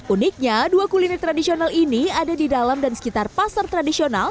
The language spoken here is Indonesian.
uniknya dua kuliner tradisional ini ada di dalam dan sekitar pasar tradisional